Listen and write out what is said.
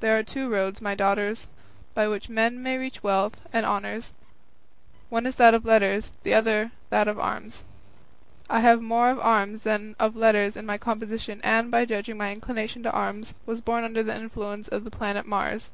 There are two roads, my daughters, by which men may reach wealth and honours; one is that of letters, the other that of arms. I have more of arms than of letters in my composition, and, judging by my inclination to arms, was born under the influence of the planet Mars.